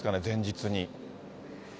前日に。